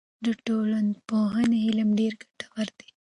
د ټولنپوهنې علم ډېر ګټور دی.